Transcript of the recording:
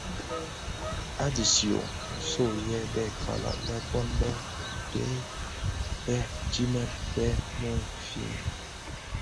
A dishyön, nso yè bè kalag lè bon be bhèi bë dimen bë muufin.